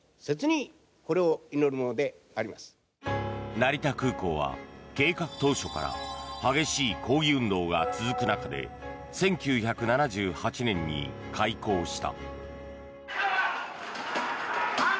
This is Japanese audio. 成田空港は計画当初から激しい抗議運動が続く中で１９７８年に開港した。